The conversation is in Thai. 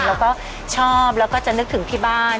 เราก็ชอบแล้วก็จะนึกถึงที่บ้าน